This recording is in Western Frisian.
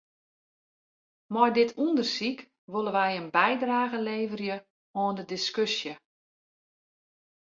Mei dit ûndersyk wolle wy in bydrage leverje oan de diskusje.